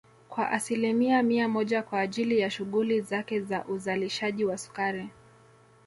kwa asilimia mia moja kwa ajili ya shughuli zake za uzalishaji wa sukari